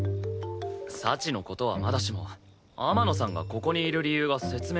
幸の事はまだしも天野さんがここにいる理由は説明つかない。